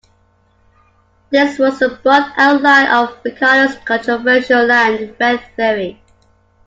This was the broad outline of Ricardo's controversial land rent theory.